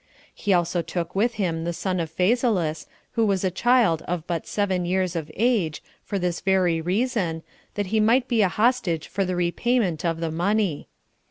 He also took with him the son of Phasaelus, who was a child of but seven years of age, for this very reason, that he might be a hostage for the repayment of the money.